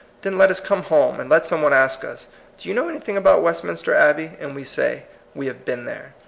Then let us come home, and let some one ask us, ^^ Do you know anything about Westminster Abbey?" and we say, "We have been there."